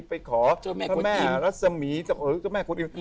ไปขอเจ้าแม่รัศมีย์หรือเจ้าแม่คนอิม